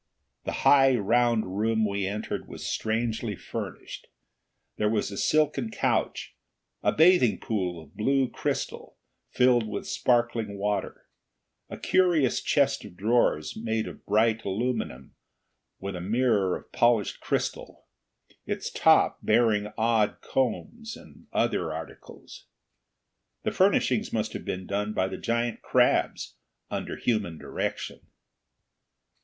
The high round room we entered was strangely furnished. There was a silken couch, a bathing pool of blue crystal filled with sparkling water, a curious chest of drawers made of bright aluminum with a mirror of polished crystal, its top bearing odd combs and other articles. The furnishings must have been done by the giant crabs, under human direction.